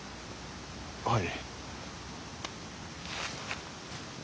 はい。